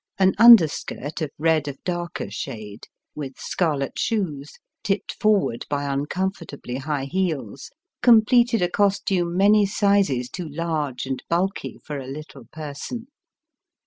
An under skirt of red of darker shade, with scarlet shoes, tipped forward by uncomfortably high heels, completed a costume many sizes too large and bulky for a Uttle person.